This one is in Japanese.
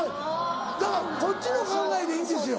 だからこっちの考えでいいんですよ。